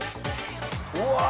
うわ！